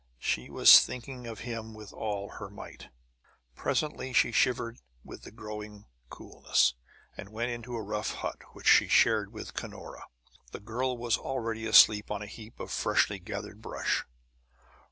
She was thinking of him with all her might. Presently she shivered with the growing coolness, and went into a rough hut, which she shared with Cunora. The girl was already asleep on a heap of freshly gathered brush.